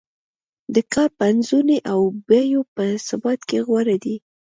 د کار پنځونې او بیو په ثبات کې غوره دی.